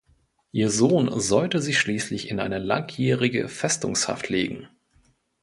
Ihr Sohn sollte sie schließlich in eine langjährige Festungshaft legen.